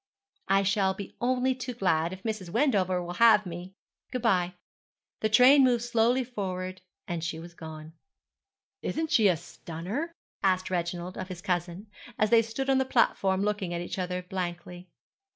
'I shall be only too glad, if Mrs. Wendover will have me. Good bye.' The train moved slowly forward, and she was gone. 'Isn't she a stunner?' asked Reginald of his cousin, as they stood on the platform looking at each other blankly.